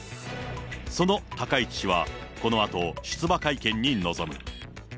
その高市氏はこのあと出馬会見に臨む。